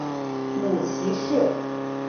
母齐氏。